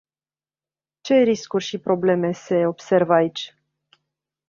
Ce riscuri și probleme se observă aici?